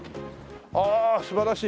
ああ素晴らしい！